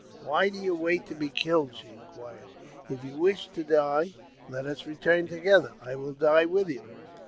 " Why do you wait to be killed ?" she inquired. " If you wish to die, let us return together ; I will die with you."